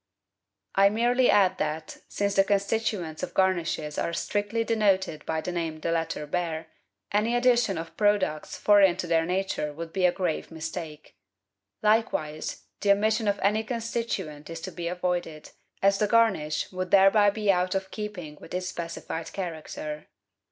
I merely add that, since the constituents of garnishes are strictly denoted by the name the latter bear, any addition of products foreign to their nature would be a grave mistake. Like wise, the omission of any constituent is to be avoided, as the garnish would thereby be out of keeping with its specified character.